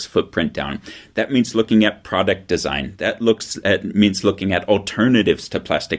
itu berarti melihat desain produk itu berarti melihat alternatif untuk pakaian plastik